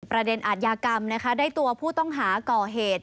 ประเด็นอัดยากรรมได้ตัวผู้ต้องหาก่อเหตุ